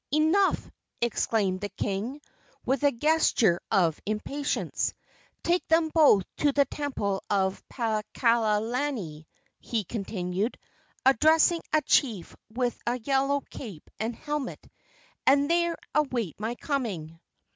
"Enough!" exclaimed the king, with a gesture of impatience. "Take them both to the temple of Paakalani," he continued, addressing a chief with a yellow cape and helmet, "and there await my coming."